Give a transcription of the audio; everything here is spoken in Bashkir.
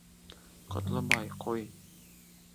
Ҡотлобай, ҡуй.